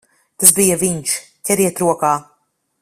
Tas bija viņš! Ķeriet rokā!